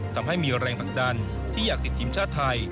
ทำให้มีแรงผลักดันที่อยากติดทีมชาติไทย